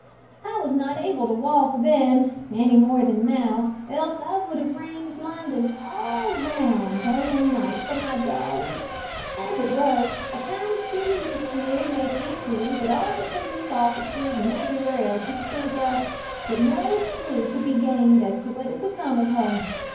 I was not able to walk then, any more than now, else I would have ranged London all round, day and night, for my darling. As it was, a kind city missionary made inquiries at all the police offices, and everywhere else he could think of, but no clew could be gained as to what had become of her.